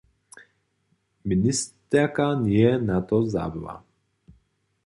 Ministerka njeje na to zabyła.